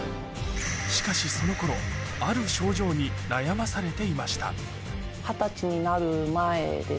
しかしその頃ある症状に悩まされていました